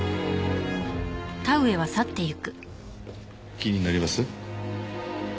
気になります？